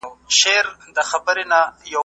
- سید متقی ضمنی، شاعر.